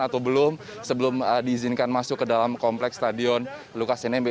atau belum sebelum diizinkan masuk ke dalam kompleks stadion lukas nmb